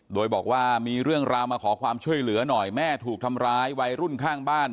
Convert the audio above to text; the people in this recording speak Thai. โดยบอกว่ามีเรื่องราวมาขอความช่วยเหลือหน่อยแม่ถูกทำร้ายวัยรุ่นข้างบ้าน